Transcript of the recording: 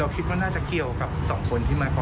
เราคิดว่าน่าจะเกี่ยวกับ๒คนที่มาพ่อเหตุ